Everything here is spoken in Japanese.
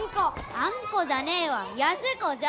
あんこじゃねえわ安子じゃ。